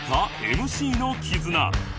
ＭＣ の絆